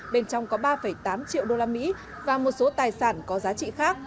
bên trong có ba tám triệu đô la mỹ và một số tài sản có giá trị khác